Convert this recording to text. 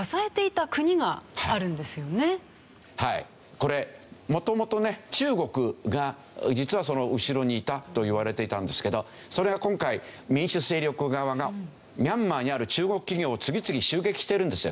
これ元々ね中国が実は後ろにいたといわれていたんですけどそれが今回民主勢力側がミャンマーにある中国企業を次々襲撃しているんですよ